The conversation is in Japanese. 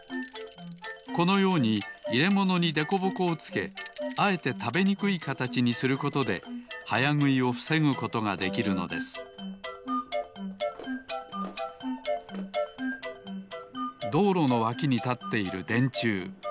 このようにいれものにでこぼこをつけあえてたべにくいかたちにすることではやぐいをふせぐことができるのですどうろのわきにたっているでんちゅう。